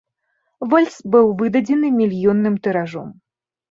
Вальс быў выдадзены мільённым тыражом.